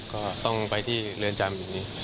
ก็ต้องไปที่เรือนจำอย่างนี้